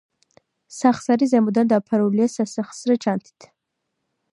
სახსარი ზემოდან დაფარულია სასახსრე ჩანთით.